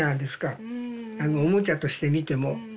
あのおもちゃとして見ても。